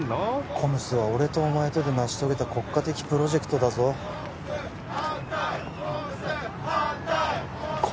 ＣＯＭＳは俺とお前とで成し遂げた国家的プロジェクトだぞＣＯＭＳ反対！